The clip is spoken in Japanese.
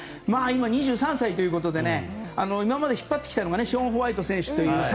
今２３歳ということで今まで引っ張ってきたのがショーン・ホワイト選手という。